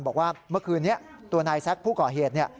บอกว่าเมื่อคืนนี้ตัวนายแซคผู้ก่อเหตุเนี่ย